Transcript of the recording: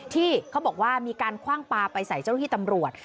ที่เขาบอกว่ามีการคว่างปลาไปใส่เจ้าหน้าที่ตำรวจ